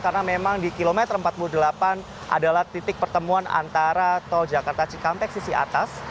karena memang di kilometer empat puluh delapan adalah titik pertemuan antara tol jakarta cikampek sisi atas